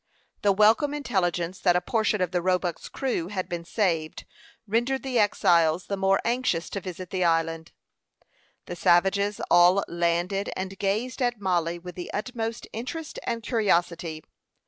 The welcome intelligence that a portion of the Roebuck's crew had been saved, rendered the exiles the more anxious to visit the island. The savages all landed and gazed at Mollie with the utmost interest and curiosity.